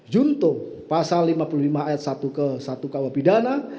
junto pasal lima puluh lima ayat satu ke satu kuh pidana